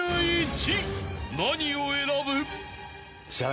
［何を選ぶ？］